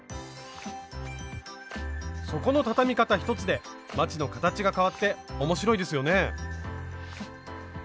底の畳み方一つでまちの形がかわって面白いですよね。